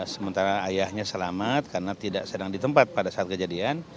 sementara ayahnya selamat karena tidak sedang di tempat pada saat kejadian